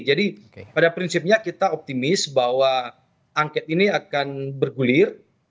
jadi pada prinsipnya kita optimis bahwa angket ini akan bergulir